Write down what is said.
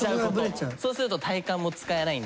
そうすると体幹も使えないんで。